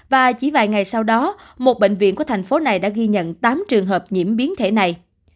và chỉ vài ngày sau đó một bệnh viện của thành phố này đã ghi nhận tám trường hợp nhiễm biến thể này